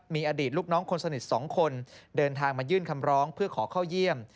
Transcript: มีอดีตลูกน้องคนสนิท๒คนเดินทางมายื่นคำร้องเพื่อขอเข้าเยี่ยม